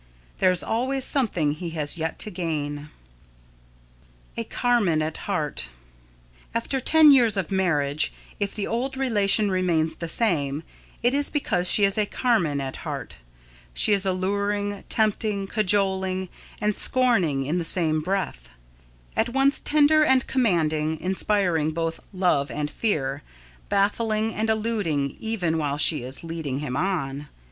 There is always something he has yet to gain. [Sidenote: A Carmen at Heart] After ten years of marriage, if the old relation remains the same, it is because she is a Carmen at heart. She is alluring, tempting, cajoling and scorning in the same breath; at once tender and commanding, inspiring both love and fear, baffling and eluding even while she is leading him on.